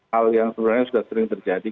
hal yang sebenarnya sudah sering terjadi